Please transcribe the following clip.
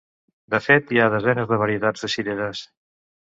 De fet, hi ha desenes de varietats de cireres.